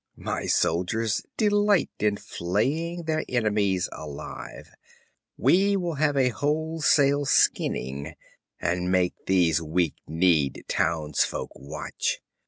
My soldiers delight in flaying their enemies alive we will have a wholesale skinning, and make these weak kneed townsfolk watch.